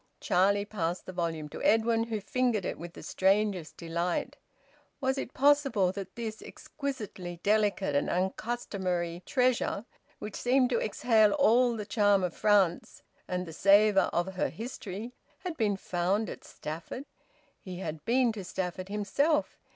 Charlie passed the volume to Edwin, who fingered it with the strangest delight. Was it possible that this exquisitely delicate and uncustomary treasure, which seemed to exhale all the charm of France and the savour of her history, had been found at Stafford? He had been to Stafford himself.